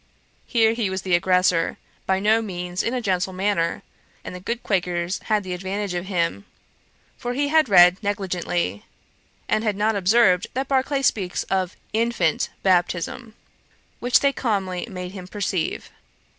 Here he was the aggressor, by no means in a gentle manner; and the good Quakers had the advantage of him; for he had read negligently, and had not observed that Barclay speaks of infant baptism; which they calmly made him perceive.